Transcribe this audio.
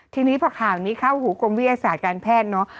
ทีนี้พอข่าวนี้เข้าหูกรมวิทยาศาสตร์การแพทย์เนอะ